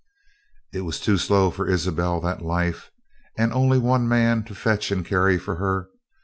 "It was too slow for Isabelle that life and only one man to fetch and carry for her.